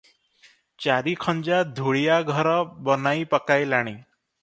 ଚାରି ଖଞ୍ଜା ଧୂଳିଆ ଘର ବନାଇ ପକାଇଲାଣି ।